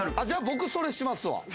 じゃあ僕それにしますわ。